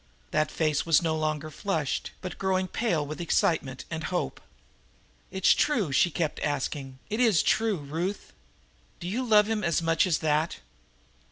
That face was no longer flushed, but growing pale with excitement and hope. "It's true?" she kept asking. "It is true, Ruth?" "Do you love him as much as that?"